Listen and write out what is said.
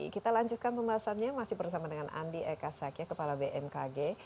kita lanjutkan pembahasannya masih bersama dengan andi eka sakya kepala bmkg